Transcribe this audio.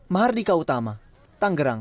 mahardika utama tanggerang